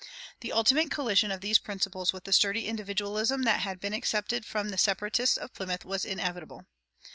The ultimate collision of these principles with the sturdy individualism that had been accepted from the Separatists of Plymouth was inevitable.